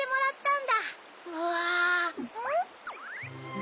ん！